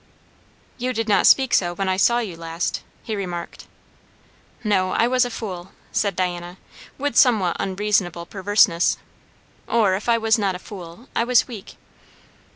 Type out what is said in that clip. "You did not speak so when I saw you last," he remarked. "No. I was a fool," said Diana, with somewhat unreasonable perverseness. "Or, if I was not a fool, I was weak."